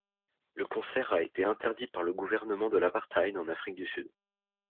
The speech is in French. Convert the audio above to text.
Le concert a été interdit par le gouvernement de l'apartheid en Afrique du Sud.